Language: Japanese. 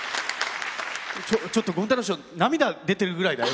ちょっと権太楼師匠涙出てるぐらいだよ。